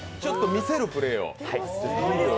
見せるプレーを。